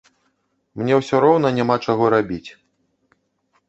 Мне ўсё роўна няма чаго рабіць.